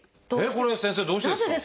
これ先生どうしてですか？